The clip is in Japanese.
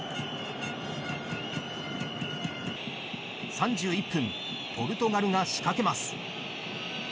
３１分ポルトガルが仕掛けます。